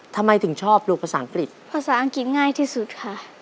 ทำไมถึงชอบดูภาษาอังกฤษภาษาอังกฤษง่ายที่สุดค่ะ